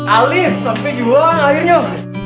alif sampai juang ayo nyuruh